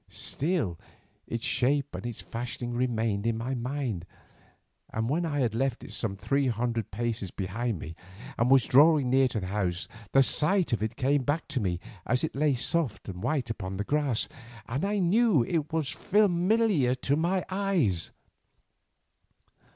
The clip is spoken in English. Still, its shape and fashioning remained in my mind, and when I had left it some three hundred paces behind me, and was drawing near to the house, the sight of it came back to me as it lay soft and white upon the grass, and I knew that it was familiar to my eyes.